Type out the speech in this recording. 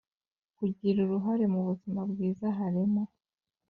Kugira uruhare m ubuzima bwiza halimo